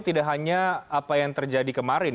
tidak hanya apa yang terjadi kemarin